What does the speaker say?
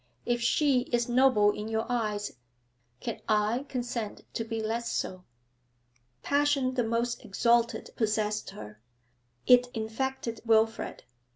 If she is noble in your eyes, can I consent to be less so?' Passion the most exalted possessed her. It infected Wilfrid.